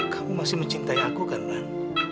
kamu masih mencintai aku kan mas